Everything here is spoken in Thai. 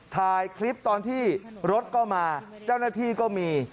ถ่ายคลิปตอนที่รถก็มาเจ้าหน้าที่ก็มี